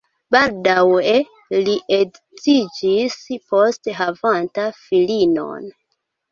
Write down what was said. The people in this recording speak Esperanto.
Baldaŭe li edziĝis, poste havanta filinon.